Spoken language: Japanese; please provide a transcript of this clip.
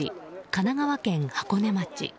神奈川県箱根町。